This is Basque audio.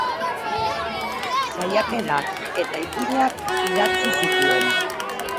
Saiakerak eta ipuinak idatzi zituen.